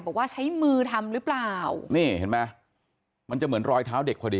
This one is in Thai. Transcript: บอกว่าใช้มือทำหรือเปล่านี่เห็นไหมมันจะเหมือนรอยเท้าเด็กพอดี